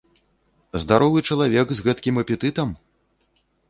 Здаровы чалавек, з гэткім апетытам?